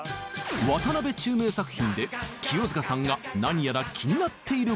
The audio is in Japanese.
渡辺宙明作品で清塚さんが何やら気になっていることが。